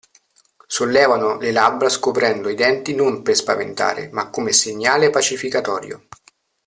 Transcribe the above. Sollevano le labbra scoprendo i denti non per spaventare, ma come segnale pacificatorio.